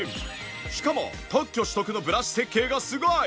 しかも特許取得のブラシ設計がすごい！